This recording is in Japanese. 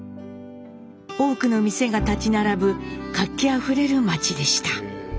多くの店が建ち並ぶ活気あふれる街でした。